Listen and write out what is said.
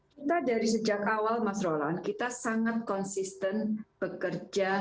kita dari sejak awal mas rolan kita sangat konsisten bekerja